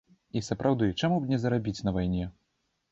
І сапраўды, чаму б не зарабіць на вайне?